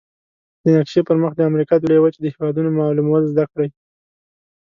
د نقشي پر مخ د امریکا د لویې وچې د هېوادونو معلومول زده کړئ.